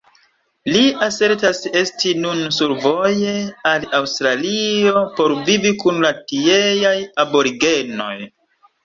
Li asertas esti nun survoje al Aŭstralio por vivi kun la tieaj aborigenoj.